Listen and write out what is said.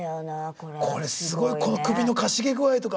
これすごいこの首のかしげ具合とか。